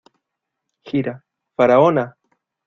Gira, ¡Faraona!